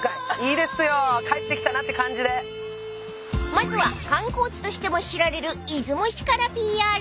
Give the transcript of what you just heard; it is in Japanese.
［まずは観光地としても知られる出雲市からＰＲ］